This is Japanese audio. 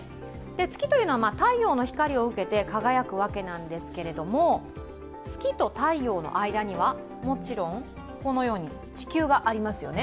月というのは太陽の光を受けて輝くわけなんですけれども、月と太陽の間には、もちろんこのように地球がありますよね。